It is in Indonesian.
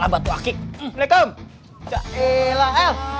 gak boleh sinar